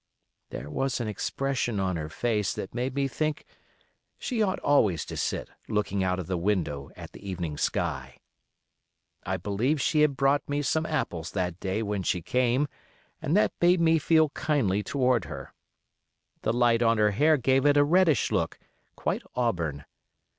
There was an expression on her face that made me think she ought always to sit looking out of the window at the evening sky. I believe she had brought me some apples that day when she came, and that made me feel kindly toward her. The light on her hair gave it a reddish look, quite auburn.